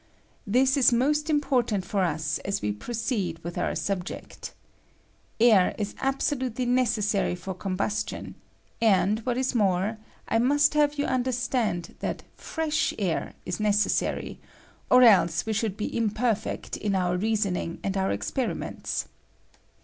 This is most important for us as we proceed with our subject. Air is absolutely necessary for combustion ; and, what is more, I must have yon understand that fresfi air ia necessary, or else we should be imperfect in our reasoning and our experimente.